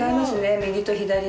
右と左の。